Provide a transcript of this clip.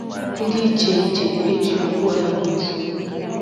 ndị iche iche e ji okwu ha agba ìzù